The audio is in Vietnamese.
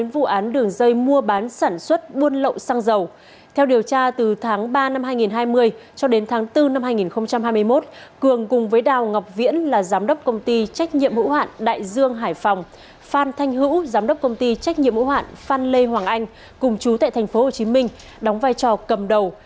phan thanh hữu giám đốc công ty trách nhiệm hữu hoạn phan lê hoàng anh cùng chú tại tp hcm đóng vai trò cầm đầu